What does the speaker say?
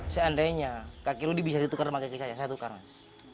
seandainya kaki rudy bisa ditukar sama kaki saya saya tukar mas